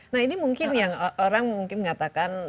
nah ini mungkin yang orang mungkin mengatakan